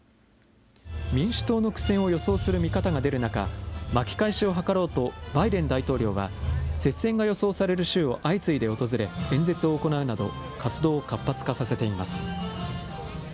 民主党の苦戦を予想する見方が出る中、巻き返しを図ろうと、バイデン大統領は接戦が予想される州を相次いで訪れ、演説を行うなど、活動を活発化させています。